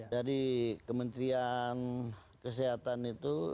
dari kementerian kesehatan itu